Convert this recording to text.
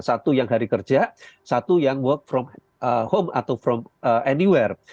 satu yang hari kerja satu yang work from home atau from anywhere